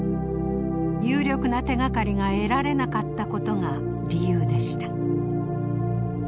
有力な手がかりが得られなかったことが理由でした。